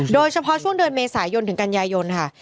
โดยเฉพาะช่วงเดือนเมษายนถึงกันยายนค่ะ